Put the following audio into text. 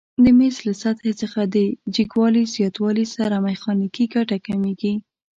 د میز له سطحې څخه د جګوالي زیاتوالي سره میخانیکي ګټه کمیږي؟